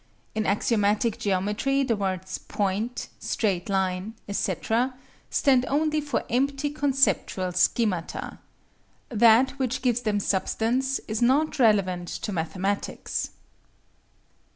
In axiomatic geometry the words "point," "straight line," etc., stand only for empty conceptual schemata. That which gives them substance is not relevant to mathematics.